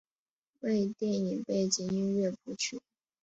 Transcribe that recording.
为电影背景音乐谱曲。